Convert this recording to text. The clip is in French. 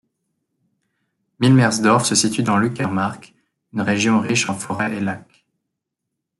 Milmersdorf se situe dans l'Uckermark, une région riche en forêts et lacs.